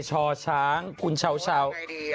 เช้าช้างคุณเชาชาว